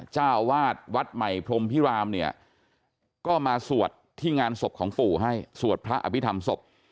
เจ้าวาดวัดใหม่พรมพิรามเนี่ยก็มาสวดที่งานศพของปู่ให้สวดพระอภิษฐรรมศพ